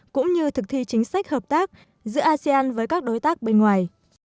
cũng như thực thi chính sách hợp tác giữa asean với các đối tác bên ngoài